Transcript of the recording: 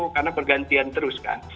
karena pergantian terus kan